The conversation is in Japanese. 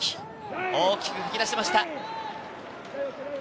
大きく、かき出しました。